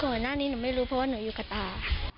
ก่อนหน้านี้หนูไม่รู้เพราะว่าหนูอยู่กับตา